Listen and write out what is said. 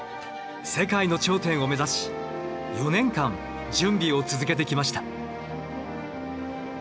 世界の頂点を目指し４年間準備を続けてきました。